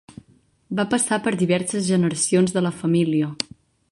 Va passar per diverses generacions de la família.